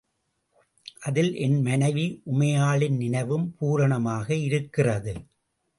அதில் என் மனைவி உமையாளின் நினைவும் பூரணமாக இருக்கிறது.